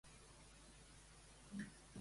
Quines han estat les paraules de Romeva?